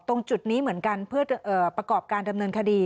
ตรงจุดนี้เหมือนกันเพื่อประกอบการดำเนินคดี